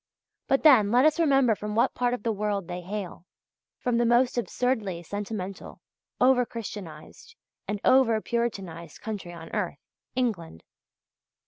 But then, let us remember from what part of the world they hail from the most absurdly sentimental, over Christianized, and over Puritanized country on earth England.